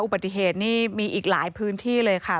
อุบัติเหตุนี่มีอีกหลายพื้นที่เลยค่ะ